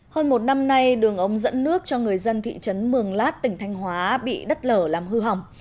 hơn một năm nay đường ống dẫn nước cho người dân thị trấn mường lát tỉnh thanh hóa bị đất lở làm hư hỏng